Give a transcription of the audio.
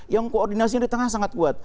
yang koordinasinya di tengah sangat kuat